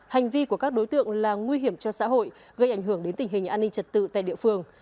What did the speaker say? hành vi của các đối tượng là nguy hiểm cho xã hội gây ảnh hưởng đến tình hình an ninh trật tự tại địa phương